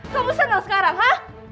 kamu senang sekarang hah